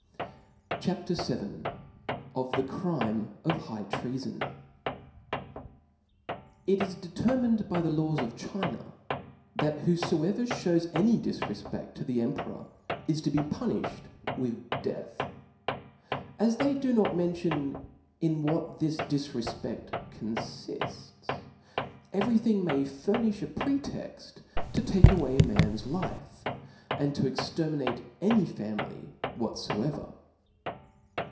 •Cjv CHAP. VII. Oft/ie Crime of high Treafon. IT is determined by the laws of China, that whofoever (hews any difrefpefl to the empe ror, is to be punifhed with death. As they do not mention in what this difrefpeft confifts, every thing may furnifli a pretext to take away a man's life, and to exterminate any family whatfoever.